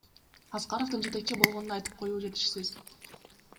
Аскаровдун жетекчи болгонун айтып коюу жетишсиз.